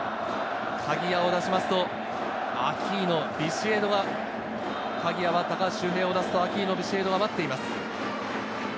鍵谷を出しますと、アキーノ、ビシエドが、鍵谷は高橋周平を出すと、待っています。